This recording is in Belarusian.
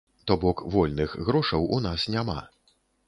То бок вольных грошаў у нас няма.